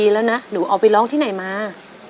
แล้วหลายปีแล้วนะหนูเอาไปร้องที่ไหนมา